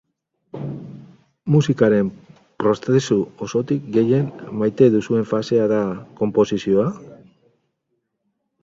Musikaren prozesu osotik gehien maite duzuen fasea da konposizioa?